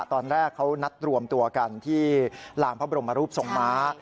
ตอนแรกเขานัดรวมตัวกันที่ลานพระบรมรูปทรงม้า